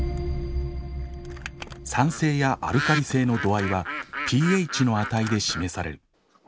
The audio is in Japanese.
酸性やアルカリ性の度合いはｐＨの値で示される。